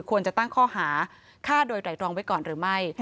ควรจะตั้งข้อหาฆ่าโดยไตรรองไว้ก่อนหรือไม่